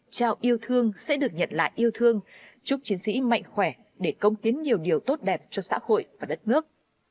chào yêu thương sẽ được nhận lại yêu thương chúc chiến sĩ mạnh khỏe để công tiến nhiều điều tốt đẹp cho xã hội và đất nước